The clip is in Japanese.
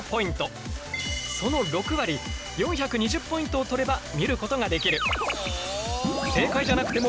その６割４２０ポイントを取れば見ることができる。